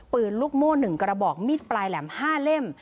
ปืนลูกโม่๑กระบอกมีดปลายแหลม๕เล่ม